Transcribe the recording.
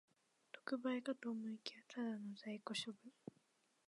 特売かと思いきや、ただの在庫処分